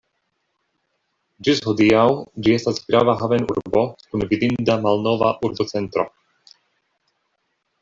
Ĝis hodiaŭ ĝi estas grava haven-urbo kun vidinda malnova urbocentro.